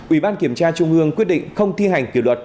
ủy ban kiểm tra trung ương quyết định không thi hành kỷ luật